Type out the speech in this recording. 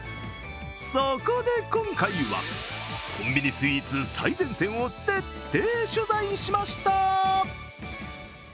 そこで今回は、コンビニスイーツ最前線を徹底取材しました。